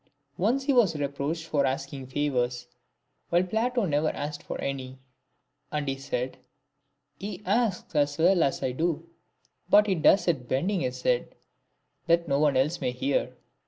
Once he was reproached for asking favours, while Plato never asked for any ; and he said ;—" He asks as well as I do, but he does It Bending his head, that no one else may hear."